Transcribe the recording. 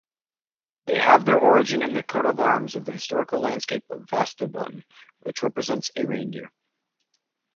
They have their origin in the coat of arms of the historical landscape of Västerbotten, which represents a reindeer.